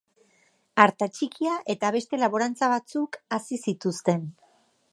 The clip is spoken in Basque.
Artatxikia eta beste laborantza batzuk hazi zituzten.